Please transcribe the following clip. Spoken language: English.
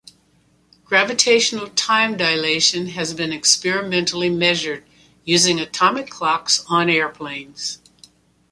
Gravitational time dilation has been experimentally measured using atomic clocks on airplanes.